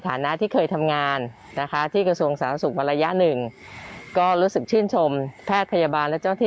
ทำงานที่ปล่าและใช้อินเป็นเหตุแพทย์เพื่อคุณหมอทำงานได้ไง